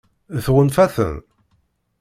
Tɣunfa-ten?